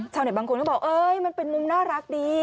ชาวเน็ตบางคนก็บอกมันเป็นมุมน่ารักดี